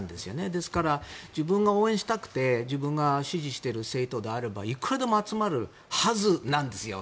ですから、自分が応援したくて自分が支持している政党であればいくらでも集まるはずなんですよ。